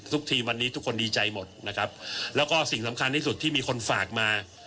ทีมวันนี้ทุกคนดีใจหมดนะครับแล้วก็สิ่งสำคัญที่สุดที่มีคนฝากมา